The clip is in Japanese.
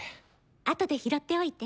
あとで拾っておいて。